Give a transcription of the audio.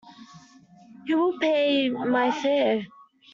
Who will pay my fare?